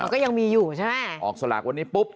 ก็ยังมีอยู่ใช่ไหมออกสลากวันนี้ปุ๊บ